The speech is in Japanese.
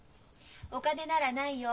お金ならないよ。